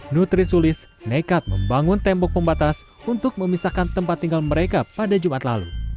nutri sulis nekat membangun tembok pembatas untuk memisahkan tempat tinggal mereka pada jumat lalu